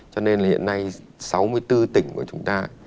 cho nên là hiện nay sáu mươi bốn tỉnh của chúng ta